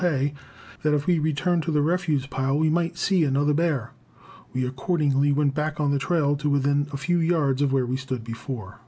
Hay, that if we returned to the refuse pile we might see another bear. We accordingly went back on the trail to within a few yards of where we stood before.